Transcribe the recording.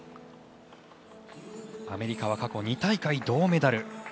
アメリカは過去２大会で銅メダル。